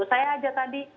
saya aja tadi